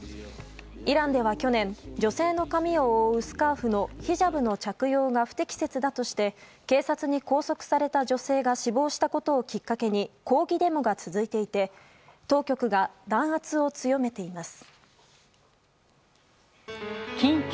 イランでは去年女性の髪を覆うスカーフのヒジャブの着用が不適切だとして警察に拘束された女性が死亡したことをきっかけに抗議デモが続いていておぉ・おぅ！